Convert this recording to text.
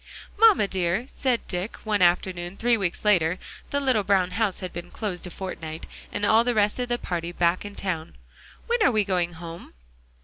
"Mamma dear," said Dick, one afternoon three weeks later (the little brown house had been closed a fortnight, and all the rest of the party back in town), "when are we going home?"